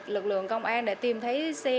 lực lượng công an đã tìm thấy xe